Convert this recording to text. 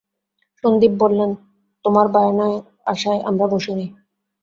সন্দীপ বললেন, তোমার বায়নার আশায় আমরা বসে নেই।